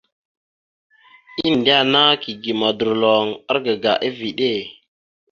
Endena kige modorloŋ argaga eveɗe.